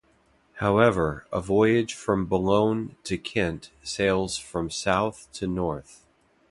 However, a voyage from Boulogne to Kent sails from south to north.